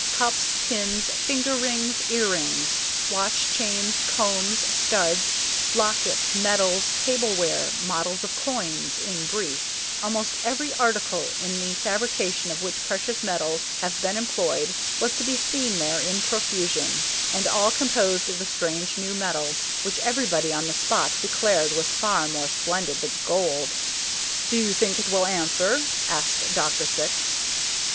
Cups, pins, finger rings, earrings, watch chains, combs, studs, lockets, medals, tableware, models of coins in brief, almost every article in the fabrication of which precious metals have been employed was to be seen there in profusion, and all composed of the strange new metal which everybody on the spot declared was far more splendid than gold. "Do you think it will answer?" asked Dr. Syx.